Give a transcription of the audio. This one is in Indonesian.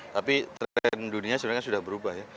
tapi tren dunia sebenarnya sudah berubah ya